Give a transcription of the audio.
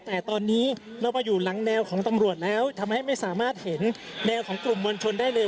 แต่ตอนนี้เรามาอยู่หลังแนวของตำรวจแล้วทำให้ไม่สามารถเห็นแนวของกลุ่มมวลชนได้เลย